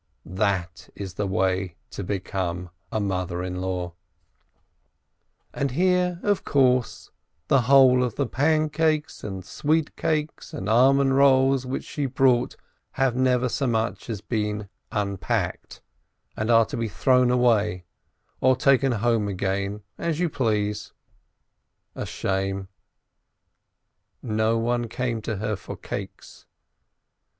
That is the way to become a mother in law ! And here, of course, the whole of the pancakes and sweet cakes and almond rolls which she brought have never so much as been unpacked, and are to be thrown away or taken home again, as you please ! A shame ! No one came to her for cakes.